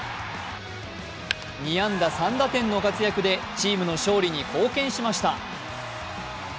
２安打３打点の活躍でチームの勝利に貢献しました。